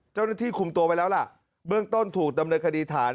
เจ้าหน้าที่คุมตัวไว้แล้วล่ะเบื้องต้นถูกดำเนินคดีฐาน